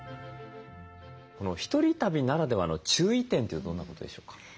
１人旅ならではの注意点ってどんなことでしょうか？